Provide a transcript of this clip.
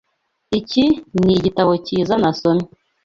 Iki nigitabo cyiza nasomye.